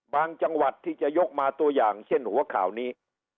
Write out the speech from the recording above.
จังหวัดที่จะยกมาตัวอย่างเช่นหัวข่าวนี้